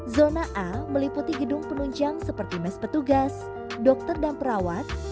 zona a meliputi gedung penunjang seperti mes petugas dokter dan perawat